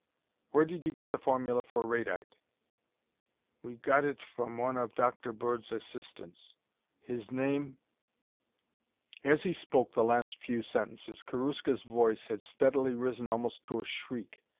"Where did you get the formula for radite?" "We got it from one of Dr. Bird's assistants. His name "As he spoke the last few sentences, Karuska's voice had steadily risen almost to a shriek.